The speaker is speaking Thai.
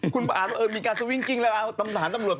คุณประอาทมีการสวิงกิ้งแล้วเอาสถานทำรวจไป